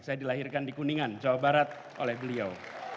saya dilahirkan di kuningan jawa barat oleh beliau